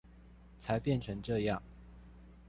才變成這樣